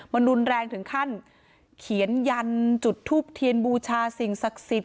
มันรุนแรงถึงขั้นเขียนยันจุดทูบเทียนบูชาสิ่งศักดิ์สิทธิ